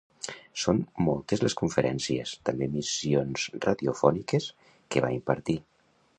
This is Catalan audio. Són moltes les conferències, també emissions radiofòniques, que va impartir.